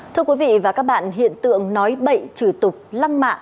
thưa quý vị và các bạn hiện tượng nói bậy chửi tục lăng mạ